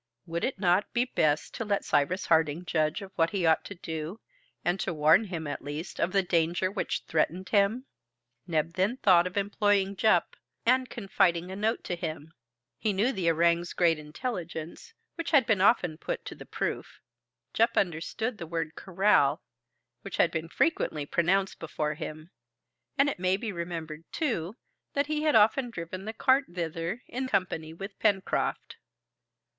Would it not be best to let Cyrus Harding judge of what he ought to do, and to warn him, at least, of the danger which threatened him? Neb then thought of employing Jup, and confiding a note to him. He knew the orang's great intelligence, which had been often put to the proof. Jup understood the word corral, which had been frequently pronounced before him, and it may be remembered, too, that he had often driven the cart thither in company with Pencroft.